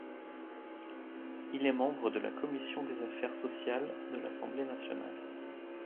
Il est membre de la commission des Affaires sociales de l'Assemblée nationale.